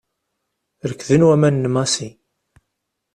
Rekden waman n Massi.